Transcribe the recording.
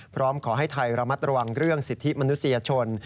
พร้อมขอให้ไทยระมัดระวังเรื่องสิทธิมนุษยชน